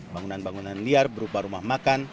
bangunan bangunan liar berupa rumah makan